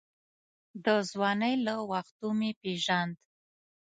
د ځوانۍ له وختو مې پېژاند.